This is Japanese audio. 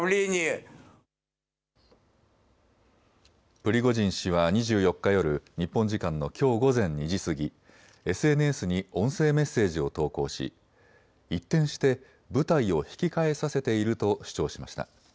プリゴジン氏は２４日夜、日本時間のきょう午前２時過ぎＳＮＳに音声メッセージを投稿し一転して部隊を引き返させていると主張しました。